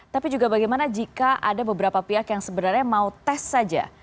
tapi juga bagaimana jika ada beberapa pihak yang sebenarnya mau tes saja